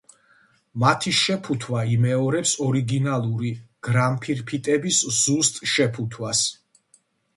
მათი შეფუთვა იმეორებს ორიგინალური გრამფირფიტების ზუსტ შეფუთვას.